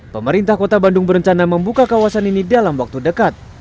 pemerintah kota bandung berencana membuka kawasan ini dalam waktu dekat